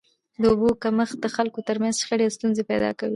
د اوبو کمښت د خلکو تر منځ شخړي او ستونزي پیدا کوي.